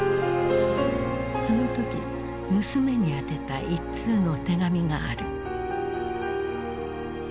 その時娘に宛てた一通の手紙がある。